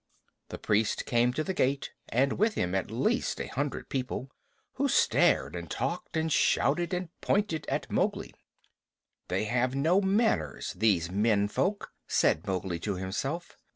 The priest came to the gate, and with him at least a hundred people, who stared and talked and shouted and pointed at Mowgli. "They have no manners, these Men Folk," said Mowgli to himself.